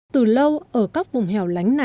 từ lâu ở các vùng hẻo lánh